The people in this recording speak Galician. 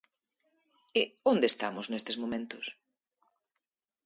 ¿E onde estamos nestes momentos?